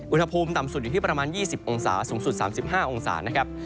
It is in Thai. อุณหภูมิต่ำสุดอยู่ที่ประมาณ๒๐องศาสูงสุด๓๕องศานะครับ